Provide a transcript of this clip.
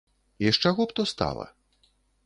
І з чаго б то стала?